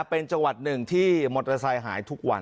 เป็นจังหวัดหนึ่งที่มอเตอร์ไซค์หายทุกวัน